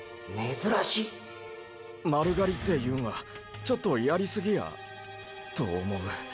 ⁉珍し丸刈りっていうんはちょっとやりすぎやと思う。